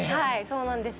そうなんです。